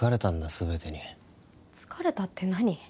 全てに疲れたって何？